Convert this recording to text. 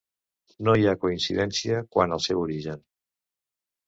No hi ha coincidència quant al seu origen.